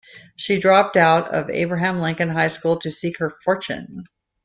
She dropped out of Abraham Lincoln High School to seek her fortune.